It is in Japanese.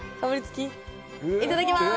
いただきます！